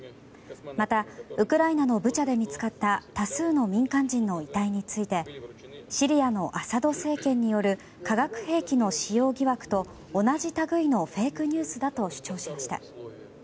また、ウクライナのブチャで見つかった多数の民間人の遺体についてシリアのアサド政権による化学兵器の使用疑惑と同じ類のフェイクニュースだと主張しました。